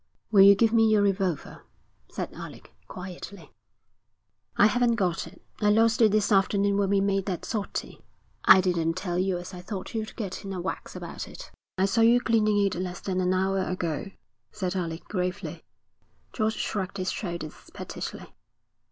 'Will you give me your revolver,' said Alec, quietly. 'I haven't got it. I lost it this afternoon when we made that sortie. I didn't tell you as I thought you'd get in a wax about it.' 'I saw you cleaning it less than an hour ago,' said Alec, gravely. George shrugged his shoulders pettishly.